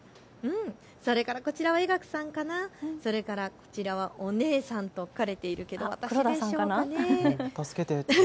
それからこちらはえがくさんかな、こちらはお姉さんと書かれているけど、私でしょうね。